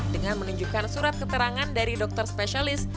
dengan menunjukkan surat keterangan dari dokter spesialis